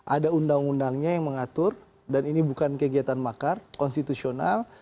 ada undang undangnya yang mengatur dan ini bukan kegiatan makar konstitusional